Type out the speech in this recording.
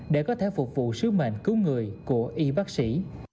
để có thể phục vụ sứ mệnh cứu người của y bác sĩ